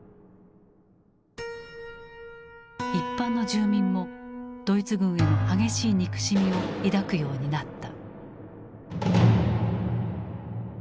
一般の住民もドイツ軍への激しい憎しみを抱くようになった。